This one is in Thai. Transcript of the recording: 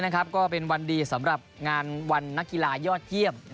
ก็เป็นวันดีสำหรับงานวันนักกีฬายอดเยี่ยม